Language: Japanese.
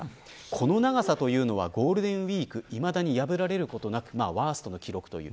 この長さはゴールデンウイークいまだに破られることなくワーストの記録という。